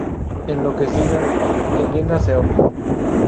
Enloquecida, Helena se ahorcó.